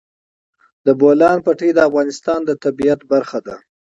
د بولان پټي د افغانستان د طبیعت برخه ده.